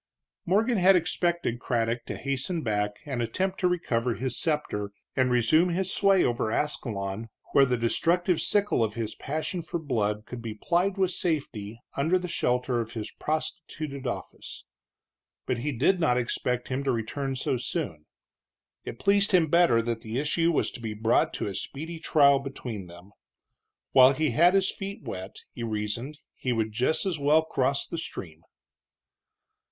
Morgan had expected Craddock to hasten back and attempt to recover his scepter and resume his sway over Ascalon, where the destructive sickle of his passion for blood could be plied with safety under the shelter of his prostituted office. But he did not expect him to return so soon. It pleased him better that the issue was to be brought to a speedy trial between them. While he had his feet wet, he reasoned, he would just as well cross the stream.